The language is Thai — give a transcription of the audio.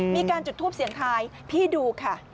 มีการจุดทูปเสียงทายพี่ดูค่ะ